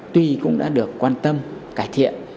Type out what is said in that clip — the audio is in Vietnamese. tuy cũng đã được quan tâm cải thiện